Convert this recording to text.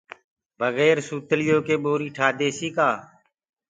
بگير سوتݪيو ڪي ٻوري ٺآ ديسي ڪآ۔